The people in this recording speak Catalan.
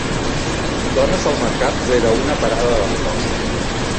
Dones al mercat rere una parada de flors.